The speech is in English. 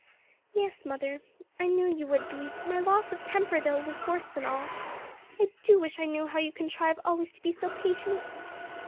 "Yes, mother, I knew you would be; my loss of temper, though, was worse than all. I do wish I knew how you contrive always to be so patient."